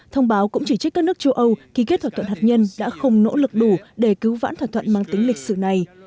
thông báo cũng chỉ trích các nước châu âu ký kết thỏa thuận hạt nhân đã không nỗ lực đủ để cứu vãn thỏa thuận mang tính lịch sử này